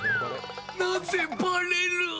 なぜバレる？